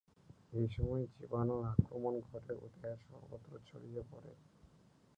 এ সময়ে জীবাণুর আক্রমণ ঘটে ও দেহের সর্বত্র ছড়িয়ে পড়ে।